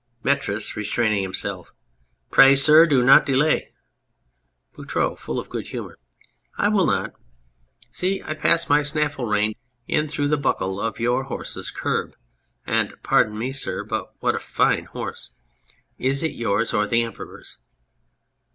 METRIS (restraining himself}. Pray, sir, do not delay. BOUTROUX (full of good humour). I will not ! See, 224 The Fog I pass my snaffle rein in through the buckle of your horse's curb ; and pardon me, sir, but what a fine horse ! Is it yours or the Emperor's